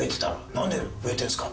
なんで増えてるんですか？